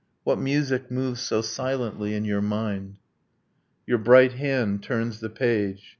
What music moves so silently in your mind? Your bright hand turns the page.